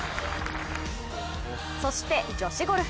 そして、女子ゴルフ。